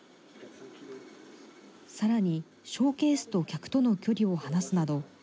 さらに、ショーケースと客との距離を離すなど